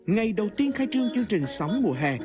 ngày đầu tiên khai trương chương trình sóng mùa hè